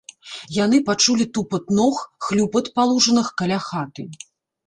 Яны пачулі тупат ног, хлюпат па лужынах каля хаты.